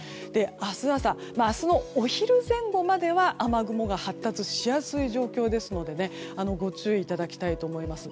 明日朝、明日のお昼前後までは雨雲が発達しやすい状況ですのでご注意いただきたいと思います。